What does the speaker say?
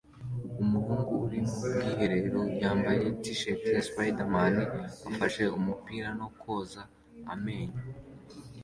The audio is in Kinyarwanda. Umuhungu uri mu bwiherero yambaye t-shirt ya Spiderman ufashe umupira no koza amenyo